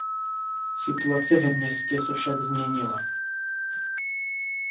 Situace ve městě se však změnila.